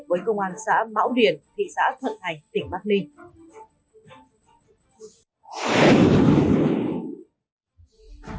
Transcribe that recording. với công an xã mão điền thị xã thuận thành tỉnh bắc ninh